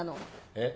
えっ？